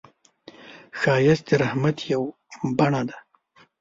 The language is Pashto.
ښایست د رحمت یو بڼه ده